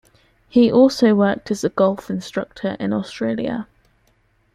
He also worked as a golf instructor in Australia.